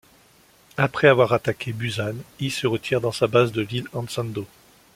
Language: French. Après avoir attaqué Busan, Yi se retire dans sa base de l'île Hansando.